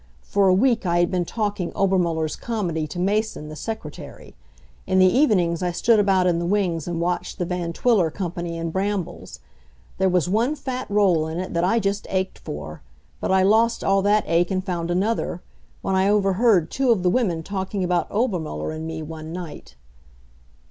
For a week I had been talking Obermuller's comedy to Mason, the secretary. In the evenings I stood about in the wings and watched the Van Twiller company in Brambles. There was one fat role in it that I just ached for, but I lost all that ache and found another, when I overheard two of the women talking about Obermuller and me one night.